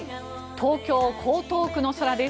東京・江東区の空です。